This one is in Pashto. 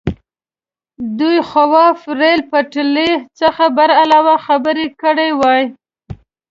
د خواف ریل پټلۍ څخه برعلاوه خبرې کړې وای.